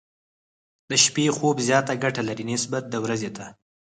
د شپې خوب زياته ګټه لري، نسبت د ورځې ته.